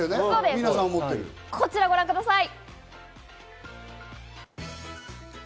こちらをご覧ください。